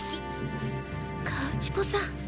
カウチポさん。